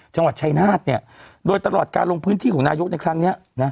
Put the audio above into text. จังหวัดชายนาฏเนี่ยโดยตลอดการลงพื้นที่ของนายกในครั้งนี้นะ